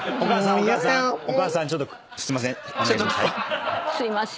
お母さんちょっとすいません。